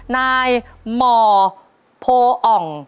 นายหมอโพออ่อง